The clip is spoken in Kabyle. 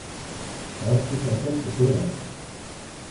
Ɣur-s tikerkas d turart.